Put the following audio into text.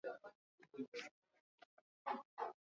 Kutokwa machozi kwa wanyama